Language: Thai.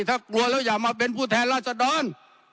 ถ้ากลัวแล้วอย่ามาเป็นผู้แทนราชดร